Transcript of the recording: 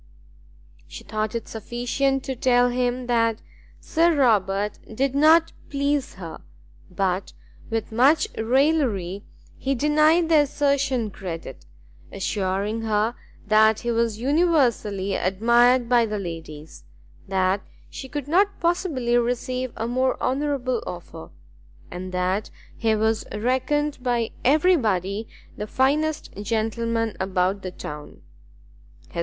She thought it sufficient to tell him that Sir Robert did not please her, but, with much raillery, he denied the assertion credit, assuring her that he was universally admired by the ladies, that she could not possibly receive a more honourable offer, and that he was reckoned by every body the finest gentleman about the town.